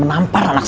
berapayimu banyak gw